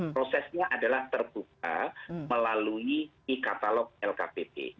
prosesnya adalah terbuka melalui e katalog lkpp